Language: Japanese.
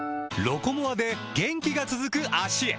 「ロコモア」で元気が続く脚へ！